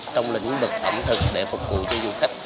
trong lĩnh vực ẩm thực để phục vụ cho du khách